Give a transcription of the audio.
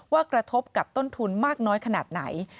กระทบกับต้นทุนมากน้อยขนาดไหน